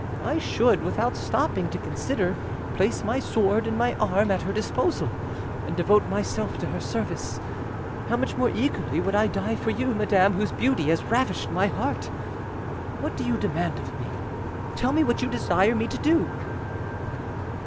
I should, without stopping to consider, place my sword and my arm at her disposal, and devote myself to her service. How much more eagerly would I die for you, madam, whose beauty has ravished my heart! What do you demand of me? Tell me what you desire me to do."